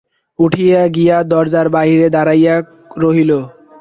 উঠিয়া গিয়া দরজার বাহিরে দাড়াইয়া রহিল।